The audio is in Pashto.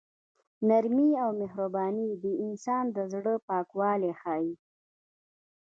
نرمي او مهرباني د انسان د زړه پاکوالی ښيي.